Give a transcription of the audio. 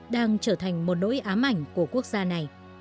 đang trở thành một nỗi ám ảnh của quốc gia này